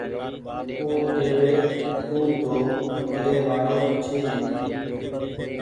او ڪوي تونٚ تو اڪلي وآڙو ڇي